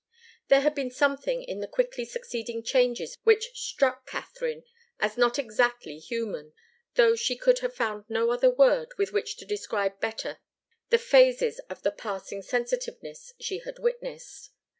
There had been something in the quickly succeeding changes which struck Katharine as not exactly human, though she could have found no other word with which to describe better the phases of the passing sensitiveness she had witnessed.